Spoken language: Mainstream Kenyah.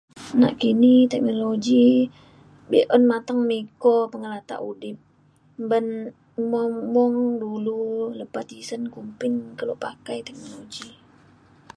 nakini teknologi be’u mateng miko pengelatak udip ban mung mung dulu lepa tisen kumbin kelo pakai teknologi